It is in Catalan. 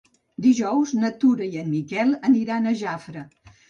Dijous na Tura i en Miquel aniran a Jafre.